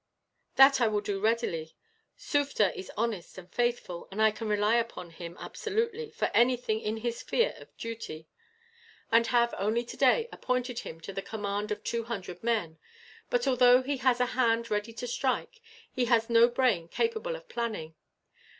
"That I will readily do. Sufder is honest and faithful, and I can rely upon him, absolutely, for anything in his sphere of duty; and have, only today, appointed him to the command of two hundred men; but although he has a hand ready to strike, he has no brain capable of planning.